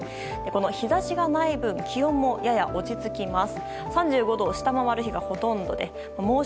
日差しがない分気温も落ち着きます。